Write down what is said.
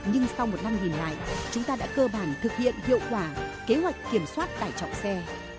nhưng sau một năm nhìn lại chúng ta đã cơ bản thực hiện hiệu quả kế hoạch kiểm soát tải trọng xe